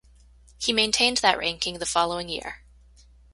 He maintained that ranking the following year.